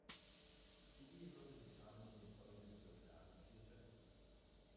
Die Eheleute bekamen in den folgenden zwölf Jahren vier Töchter.